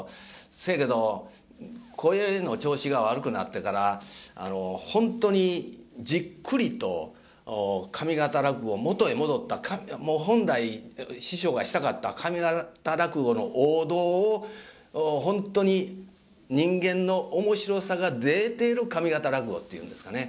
せやけど声の調子が悪くなってからほんとにじっくりと上方落語を元へ戻ったもう本来師匠がしたかった上方落語の王道をほんとに人間の面白さが出てる上方落語っていうんですかね